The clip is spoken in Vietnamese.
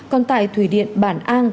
còn tại thủy điện bản an